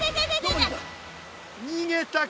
にげたか。